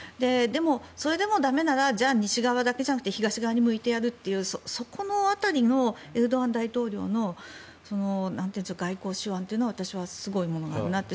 それでもだめならじゃあ西側だけでなくて東側に向いてやるっていうそこの辺りのエルドアン大統領の外交手腕というのは私はすごいものがあるなと。